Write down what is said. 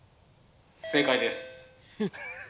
・正解です。